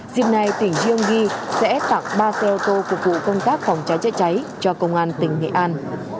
dịp này tỉnh gyeonggi sẽ tặng ba xe ô tô cục vụ công tác phòng trái chế cháy cho công an tỉnh nghệ an